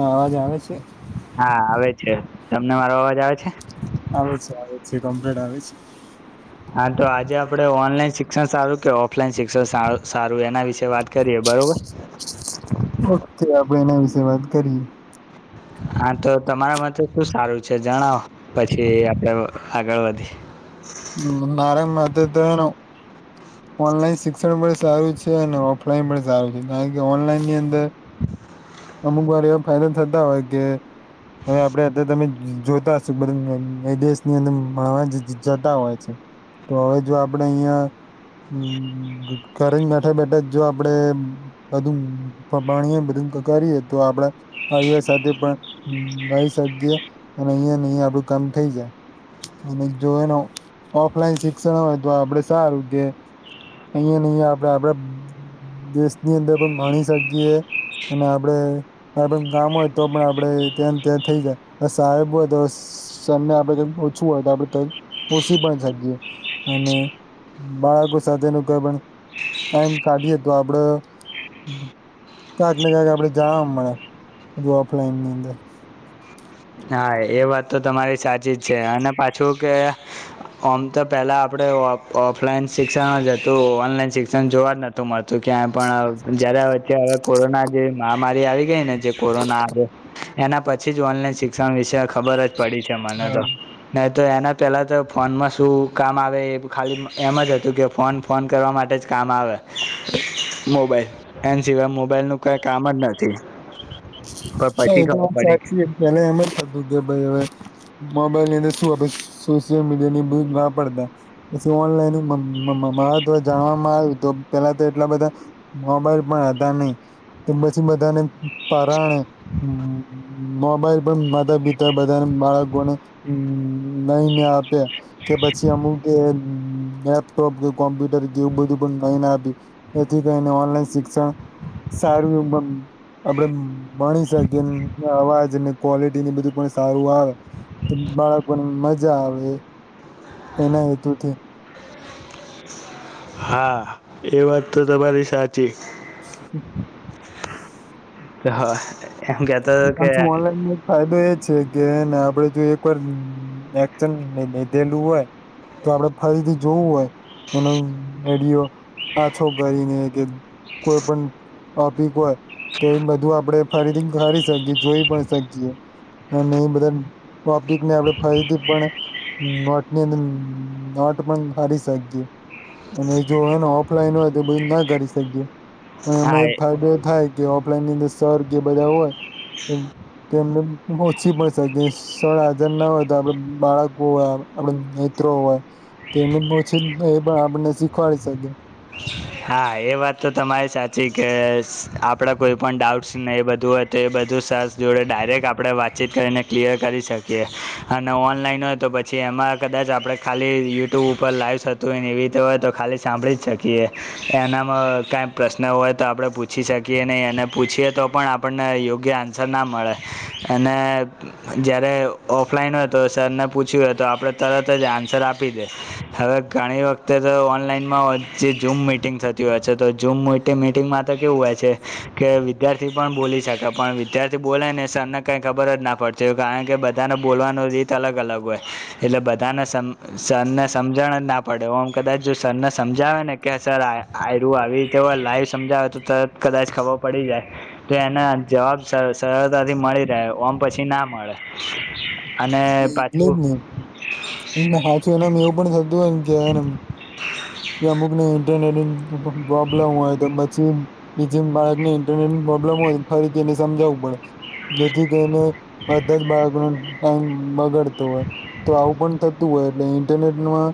અવાજ આવે છે હા આવે છે તમને મારો અવાજ આવે છે. આવે છે આવે છે કમ્પ્લેટ આવે છે. હા તો આજે આપડે ઓનલાઈન શિક્ષણ સારું કે ઓફલાઈન શિક્ષણ સારું એના વિશે વાત કરીએ બરોબર. ઓકે આપણે એના વિશેે વાત કરીએ હા તો તમારા માટે શું સારું છે જણાવો પછી આપડે આગળ વધીએ હ મારા માટે તો એણો ઓનલાઈન શિક્ષણ પણ સારું છે અને ઓફલાઈન પણ સારું છે કારણ કે ઓનલાઈન ની અંદર અમુક વાર એવા ફાઈદા થતા હોય કે હવે આપડે અત્યારે તમે જોતા હશો બધી વિદેશની અંદર માવાન જતા હોય છે. તો હવે જો આપડે અહિયાં હમ ઘરે બેઠા બેઠા જો આપડે બધું પાણી એ બધું કરીએ તો આપડે ભાઈઓ સાથે પણ મળી શકીએ અને અહિયાં ને અહિયા આપડું કામ થઇ જાય. અને જો એનો ઓફલાઈન શિક્ષણ હોય તો આપડે સારું કે અહિયા નહી આપડે આપડે દેશની અંદર પણ ગણી શકીએ અને આપડે આપડે કામ હોય તો પણ આપડે ત્યાં ત્યાં થઈ જાય સાહેબ હોય તો સૈન્ય આપડે જેમ ઓછું હોય તો આપડે કંઈ પોછી પણ શકીએ અને બાળકો સાથેનું કઈ પણ ટાઈમ કાઢીએ તો આપડ ક્યાંક ને ક્યાંક આપડે જાણવા મળે બધુ ઓફલાઈનની અંદર હા. હા એ વાત તો તમારી સાચી જ છે અને પાછું કે ઓમ તો પહેલા આપડે ઓફ ઓફલાઈન શિક્ષણ જ હતું ઓનલાઈન શિક્ષણ જોવા જ નથ તો મળતુ ક્યાં પણ જયારે આવે ત્યારે કોરોના જે મહામારી આવી ગઈ ને જે કોરોના આવે એના પછી જ ઓનલાઈન શિક્ષ ત્રણ દીસે ખબર જ પડી છે મને હા તો. નહી તો એના પહેલા તો ફોનમાં શું કામ આવે એ ખાલી એમ જ હતું કે ફોન ફોન કરવા માટે જ કામ આવે મોબાઈલ. એન સિવાય મોબાઈલ નું કઈ કામ જ નથી હા પછી એ તો ખબર વાત પડી સાચી કે એને એમ જ થતું કે ભાઈ હવે મોબાઈલ ની અંદર શું આપે સોશિયલ મીડિયા ની એ બધુ જ ના પડતા. પછી ઓનલાઈન જાણવામાં આવ્યું તો પેલા તો એટલા બધા મોબાઈલ પણ હતા નહી કે પછી બધાને પરાણે હમ. મોબાઈલ પણ માતા પિતા બધાને બાળકોને નઈને આપએ કે પછી અમુક કે લેપટોપ કે કોમ્પ્યુટર જેવું બધું પણ લઈને આપ્યું. જેથી કરીને ઓનલાઈન શિક્ષણ સારું આપણે માણી શકીએ એ અવાજને ક્વોલિટીને બધું પણ સારું આવે. બાળકોને મજા આવે એના હેતુથી હા. એ વાત તો તમારી સાચી [unintelligible] તે હ એમ કેત પછી ઓનલાઈન મેગ ફાયદો એ છે કે હેને આપડે જો એક વાર એશન લીધેલું હોય તો આપડે ફરીથી જોવું હોય એનો રડિયો હ છોકરીને કે કોઈ પણ ઓપીક હોય તો એને બધું આપડે ફરીથી ખ શકી જોઈ પણ શકીએ અને એ બધા ટોપિકને આપણેે ફરીથી પણ હમ વટની અંદ નોટ પણ હરી સખી અને જો એને ઓફલાઈન હોય તો બધું ના કરી શકીએ. અને હા અમાં એક ફાયદો એ થાય કે ઓફલાઈન ની અંદર સર કે બધા હોય એ તેમમને ઓછી પડશે કે સોડા હજાર ના હોય તો આપડ બાળકો હોય આપડ મિત્રો હોય તેને પછી એ પણ આપને શીખવાડી શકી. હા એ વાત તો તમારી સાચી કે આપણા કોઈ પણણ ડાઉટ્સ ને એ બધું જ તો એ બધું સરસ જોડે ડાયરેક્ટ આપણે વાતચીત કરીને ક્લિયર કરી શકીએ અને ઓનલાઈન હોય તો છે એમાં કદાચ આપણે ખાલી યુટ્યુબ ઉપર લાઈવસ થતું હોય ને એવી રીતે હોય તો ખાલી સાંભળી જ શકીએ. એનામાં કાંઈ પ્રશ્ન હોય તો આપણે પૂછી શકીએ નહીં અને પૂછીએ તો પણ આપણે આપણને યોગ્ય આન્સર ના મળે અને જયારે ઓફલાઈન હોય તો સરને પૂછ્યું હોય તો આપણે તરત જ આન્સર આપી દે હવે ઘણી વખતે તો ઓનલાઈનમાં જે ઝૂમ મીટ મ થતી હોય છે તો મ મિટિંગમાં તો કેવું હોય છે કે વિદ્યાર્થી પણ બોલી શકે પણ વિયાર થી બોલાય ને સરને કઈ ખબર જ ના પડતી કારણ કે બધાનેવાનું રીત અલગ અલગ હોય. એટલે બધાને સમ સરને સમજણ જ ના પડેું કદાચ જો સરને સમજાવે ને કે સર આ આરું આવીતેવાય લાઈવ સમજાવે તો તરત કદાચ ખબર પડી જાય. તો એના જવાબ સરળતાથી મળી રહે ઓમ પછી ના મળે અને પાછું હમ હાું એના એવું પણ થ [unintelligible] પ્રોબ્લેમ હોય તો જે એ જેમ બાળક ને ઇન્ટરનેટની પ્રોબ્લેમ હોય ફરીથી એને સમજાવવું પડે જેથી કરીઈને બધા જ બાળકો ન ટાઈમ બગાડતો હોય તો આવું પણ થતું હોય એટલે ઇન્ટરનેટમાં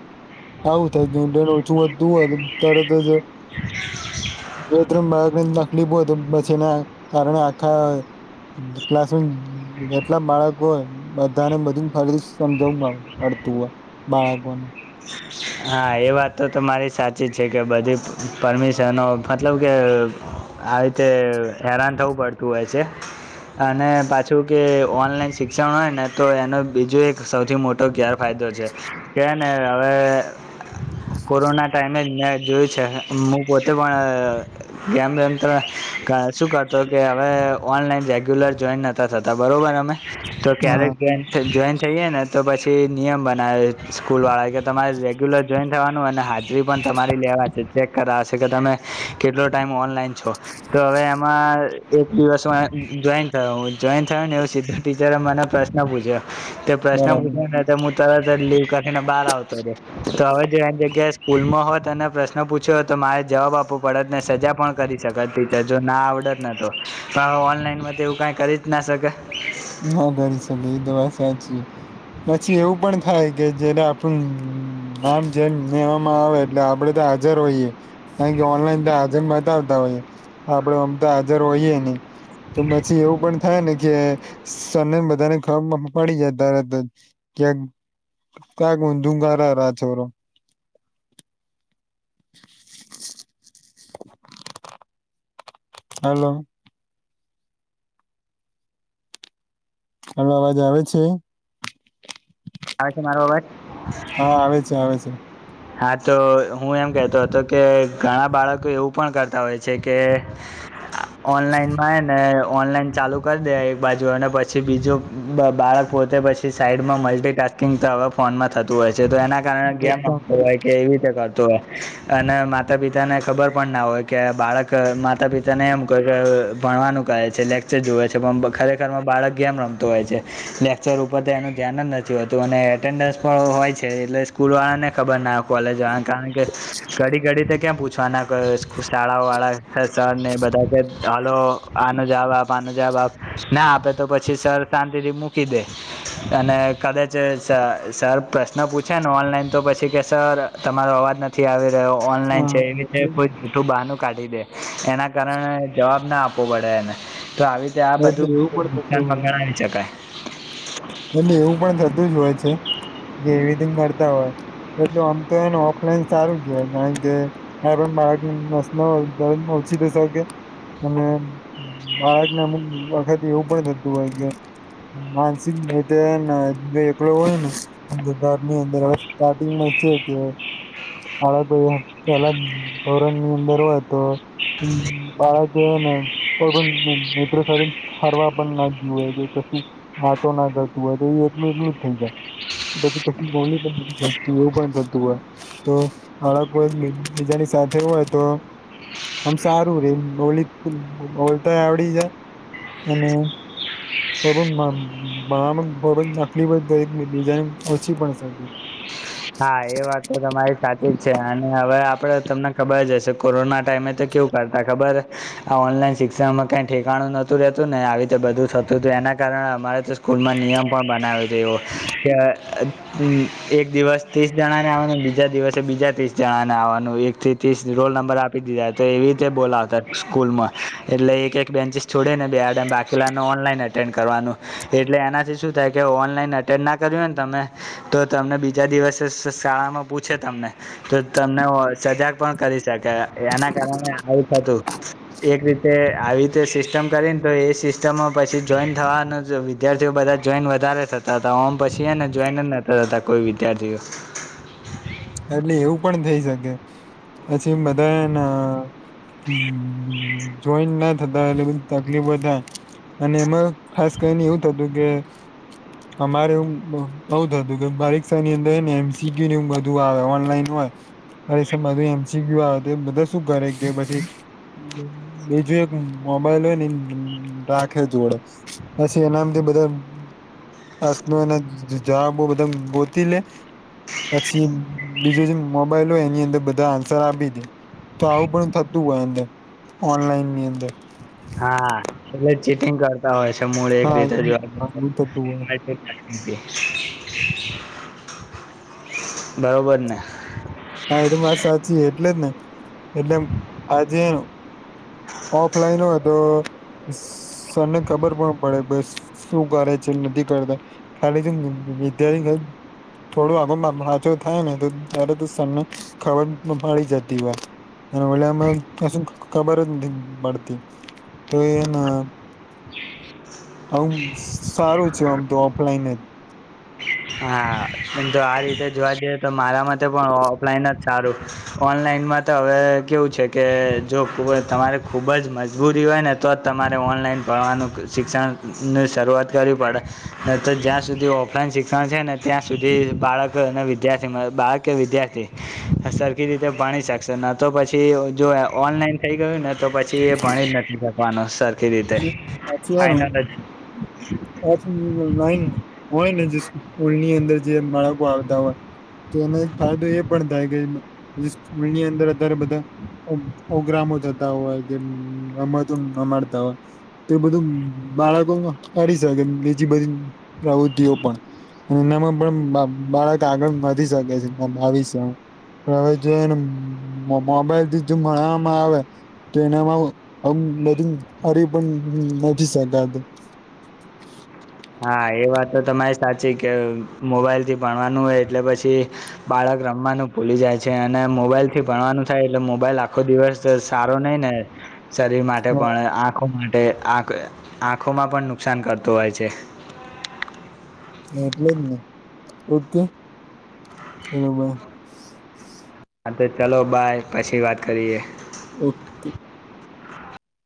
આવું થાય ન ઓછું વધતું હોય તરત જ બેથરૂમ બાર તકલીફો બ છેને કારણે આખા [unintelligible] બધાને બધું ફરી સમજાવું અડતું હોય બાળકોનું હા એ વાત તો મારી સાચી જ છે, કે બધી પરમિશનો મતલબ કે આવી રીતે હેરાન થવું પડતું હોય છે. અને પાછું કે ઓનલાઈન શિક્ષણ હોય ને તો એનો બીજો એક સૌથી મોટો ગેર ફાયદો છે. કેને હવે કોરોના ટાઈમે જ મેં જોયું છે, હું પોતે પણ કેમ તેમમ તો શું કરતો કે હવે ઓનલાઈન રેગ્યુલર જોઈન નહોતા થતા બરોબર અમે તો હા ક્યારેક જો જોઈન થઈએ ને તો પછી નિયમ બનાવે સ્કૂલ વાળા કે તમારે રેગ્યુલર જોઈન થવાનું અને હાજરી પણ તમારી લેવાશે ચેક કરાવશે કે તમે કેટલો ટાઈમ ઓનલાઈન છો તો હવે એમાં એક દિવસમાં જોઈન થયો જોઈન થયોું ને એવું સ ટીચરે મને પ્રશ્ન પૂછ્યો તે પ્રશ્ન બરાબર પૂછ્યો ને હું તરત જ લીવ કખીને બહાર આવતો હતો્યો તો હવે જો એની જગ્યાએ સ્કૂલમાં હોત અને પ્રશ્ન પૂછ્યો તો મારે જવાબ આપો. બળદને સજા પણ કરી શકત જો ના આવડત ન તો ઓનલાઈન એવું કઈ કરી ના શકે. ના કરી શકે એ તો વાત સાચી પછી એવું પણ થાય કે જ આમ નામ જે લેવામાં આવે એટલે આપડે તો હાજર હોઈએ કારણ કે ઓનલાઈન તો હાજર બતાવતા હોઈએ આપડે અમ તો હાજર હોઈએ નઈ તો પછી એવું પણ થાય ને કે. સને બધાને ખબર પડી જાય ત જ ક્યાક. ક્યાાગ મ દુંંગાર રાજોરો. [inaudible] હલો. હાલો અવાજ આવે છે. આવે છે મારો અવાજ હા આવે છે આવે છે. હા તો હું એમ કતો હતો કે ઘણા બાળકો એવું પણ કરતા હોય છે કે. ઓનલાઈન માં ને ઓનલાઈન ચાલુ. કરી દે એક બાજુ અને પછી બીજું બાળક પોતે પછી સાઈડમાં મલ્ટિકસ્કિંગ તવા. ફોનમાં થતું હોય છે તો એના કારણે ગમ. કે એવી રીતે કરતું હોય અને માતા પિતા ને ખબર પણ ના હોય કે બાળક. કે માતા પિતાને એમ ક કે ભણવાનું કહે છે લેક્ચર જુવે છે પણ ખરેખરમાં બાળક જેમ રમ. હો લેક્ચર ઉપર એનું ધ્યાન જ નથી હોતું અને એટેન્ડન્સ પણ હોય છે એટલે સ્કૂલ વાળાને. ખબર ના હો કોલેજ વાળા કારણ કે ઘડી ઘડી તો ક્યાં પૂછવાના કર. શાળા વાળા છે સર ને બધા કે હાલો આનો જવાબ આપ આનો જવાબ આપ. ના આપે તો પછી સર શાંતિથી મૂકી દે. અને કદાચ સર પ્રશ્ન પૂછે ને ઓનલાઈન તો પછી. કે સર તમારો અવાજ નથી આવી રહ્યો ઓનલાઈન હા છે એવી રીતે એટલે કોઈ જઠું બહાનું કાઢી દે. એના કારણે જવાબ ના આપવો પડે એને તો આવી. આ એટલે બધું એવું પણ થતું નુકસાન મ હોય ગણાવ શકાય. એટલે એવું પણ થતું જ હોય છે જે એવી ર કરતા હોય. એટલ આમ તો એને ઓફલાઈન સારું કે કારણ કે. હ પણ બાળકસ દર ઓછી થશે કે અને. બાળક ના વખતે એવું પણ થતું હોય કે મા. એકલો હોય ને. હદુધાર ની અંદર હવે સ્ટાર્ટિંગમાં છે કે. હવે કોઈ પેલા ધોરણ ની અંદર હોય તો. હમ બાળ જન. કોઈ પણ મિત સાધન ફરવા પણ ના જએ કે કશી. હતો ના કરતું હોય તો એ એટલું એટલું જ થઈ જાય. પછી કીની પણતી એવું પણ થતું હોય. તો હળક કોઈ બીજાની સાથે હોય તો. આમ સારું રેલી બલતા આવડી જાય અને. ભણવામાંબ તકલીફ જ તો બીજાને ઓછી પણ. હા એ વાત તો તમારી સાચી જ છે અને હવે આપડ તમને ખબર જ હશે કોરોના ટાઈમે તો કેવું. કરતા ખબર આ ઓનલાઈન શિક્ષણમાં કઈ ઠેકાણું નોતું રહેતું ને આવી રીતે બધું થતું હતું એના. કારણે અમારે તો સ્કૂલમાં નિયમ પણ બનાવ્યો છે એવો કે એક દિવસ. ત્રીસ જણા ને આવવાનું બીજા દિવસે બીજા ત્રીસ જણા ને આવવાનું એક થી ત્રીસ રોલ નંબર આપ. આપ દીધા તો એવી રીતે બોલાવતા સ્કૂલ માં એટલે એક એક બેન્ચિસ છોડીે ને બે બાકીલાને ઓનલાઈન. કરવા એટલે એનાથી શું થાય કે ઓનલાન્ ના કર્યુંને તમે- - તો તમને બીજા દિવસ. શાળામાં પૂછે તમને તો તમને સજાગ પણ કરી શકે. એના કારણે આવું હતું એક રીતે આવી. જે સિસ્ટમ કરીને તો એ સિસ્ટમમાં પછી જોઈન થવાનું તો વિદ્યાર્થીઓ બધા જોઈન વધારે થતા. તા હોમ પછીને જોઈન ને તા કોઈ વિદ્યાર્થીઓ. એટલે એવું પણ થઇ શકે પછી બધાને. હ જોઈન્ટ ના થતા એટલે બધી તકલીફો થાય. અને એમાં ખાસ કહીને એવું થતું કે. અમારે એ બઉ હતું કે પરીક્ષા ની અંદર ને એમસીક્યુ ની. બધું આવે ઓનલાઈન હોય અરેધું એમસી્યુ આવે તો બધા શું કરે કે પછી. બીજું એક મોબાઈલ હોય ને રાખે જોડે- - પછી એનામથી બધા- હસમ એના જવા બ બધા ગોતી લે- - બીજું જેમ મોબાઈલ હોય એની અંદર બધા આન્સર આપી દે- - તો આવું પણ થતું હોય અંદર ઓનલાઈન ની અંદર. હા એટલે ચીટિંગ કરતા હોય છે મૂળ એક હા રીતે જોવા. એવું થતું હોય બરોબર ને? હા એ તો મા સાચી એટલે જ ને એટલે આજેનું- - ઓફલાઈન હોય તો- - સરને ખબર પણ પડે બસ શું કરે છે નથી કરતા- - ખાલી વિદ્યાર્થી થોડું આગોચો થાય ને તો ત્યારે તો- - તને ખબર મળી જતી હોય. અને વમાં કશું ખબર જ નથી પડતી. તો એને- - [inaudible] આું સારું છે આમ તો ઓફલાઈન જ. હા જો આ રીતે જોવા જઈએ તો મારા માટે પણ ઓફલાઈન જ સારું. ઓનલાઈનમાં તો હવે કેવું છે કે જો તમારે ખુબ જ મજબૂરી હોય ને- - તો જ તમારે ઓનલાઈન ભણવાનું શિક્ષણની શરૂઆત કરવી પડે ન તો જ્યાં સુધી ઓફલાઈન શિક્ષણ- - શ્ણ છે ને ત્યાં સુધી બાળક અને વિદ્યાર્થી બાળક કે વિદ્યાર્થી અસર- - રીતે ભણી શકશે ન તો પછી જો ઓનલાઈન- - થઈ ગયું ને તો પછી એ ભણી જ નથી શકવાનું સરખી રીતે ફાઈનલ- - ઓફ લાઈન હોય ને જે સ્કૂલની અંદર જે બાળકો આવતા હોય. તો એનો એક ફાયદો એ પણ થાય કે- - પ સ્કૂલની અંદર અત્યારે બધા પ્રગ્રામો થતા હોય કેમત- - મળતાવ- - તો બધું બાળકો કરી શકે બીજી બધી પ્રવૃતિઓ પણ- - એનામાં પણ બાળક આગળ વધી શકે છે ભાવીસ- - હવે જો એને મોબાઈલ થી જો મળણવામાં આવે- - તો એનામાં આમ બધું હરી પણ નથી શકાતું. હા એ વાત તો તમારી સાચી કે મોબાઈલ થી ભણવાનું હોય એટલે પછી- - બાળક રમવાનું ભૂલી જાય છે અને મોબાઈલ થી ભણવાનું થાય એટલે મોબાઈલ આખો દિવસ- - સારો નહિ ને? શરીર માટે હા પણ આંખો માટે આંખ આંખોમાં પણ નુકસાન કરતું હોય છે. એટલે જ ને ઓકે એાઈ- - હા તો ચાલો બાય પછી વાત કરીએ. ઓકે.